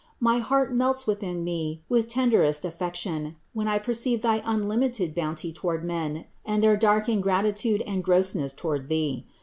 My heart melts within me with tenderest affection, when I perceive thy unlimited bounty toward men and their dark ingratitude and grossness toward Thee.